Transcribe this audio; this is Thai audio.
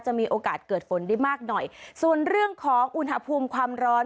มีโอกาสเกิดฝนได้มากหน่อยส่วนเรื่องของอุณหภูมิความร้อน